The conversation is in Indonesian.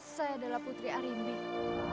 saya adalah putri arimbi